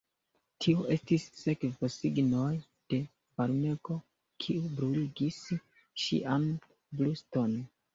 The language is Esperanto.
Tio estis sekvosignoj de varmego, kiu bruligis ŝian bruston.